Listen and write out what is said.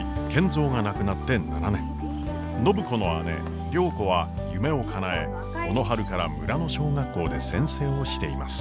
暢子の姉良子は夢をかなえこの春から村の小学校で先生をしています。